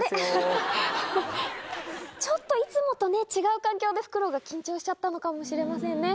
ちょっといつもとね、違う環境で、フクロウが緊張しちゃったのかもしれませんね。